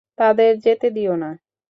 তাদের যেতে দিও না।